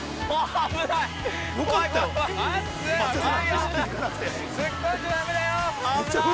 ◆危なーい。